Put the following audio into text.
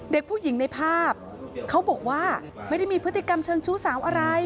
เด็กผู้หญิงในภาพเขาบอกว่าไม่ได้มีพฤติกรรมเชิงชู้สาวอะไร